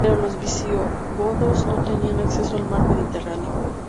Pero los visigodos no tenían acceso al Mar Mediterráneo.